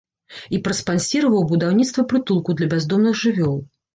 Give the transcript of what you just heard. І праспансіраваў будаўніцтва прытулку для бяздомных жывёл.